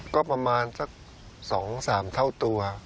ก็ประมาณสัก๒๓เท่าตัว